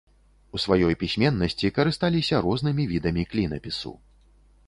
У сваёй пісьменнасці карысталіся рознымі відамі клінапісу.